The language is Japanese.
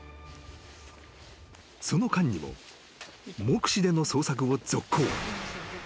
［その間にも目視での捜索を続行］